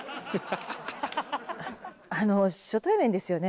あの初対面ですよね？